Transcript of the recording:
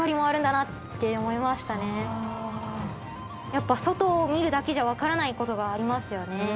やっぱ外を見るだけじゃわからない事がありますよね。